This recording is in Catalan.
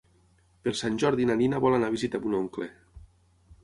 Per Sant Jordi na Nina vol anar a visitar mon oncle.